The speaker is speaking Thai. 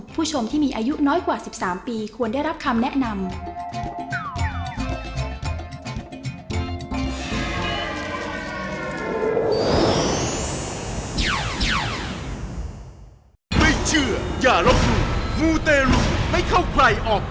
ผู้ชมที่มีอายุน้อยกว่า๑๓ปีควรได้รับคำแนะนำ